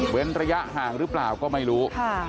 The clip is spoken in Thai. ระยะห่างหรือเปล่าก็ไม่รู้